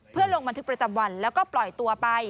เพื่อลงบันทึกประจำวันแล้วก็ปล่อยตัวไป